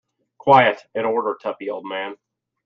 Quite in order, Tuppy, old man.